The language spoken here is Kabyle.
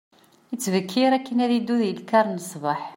Yettbekkir akken ad iddu deg lkar n sbeḥ.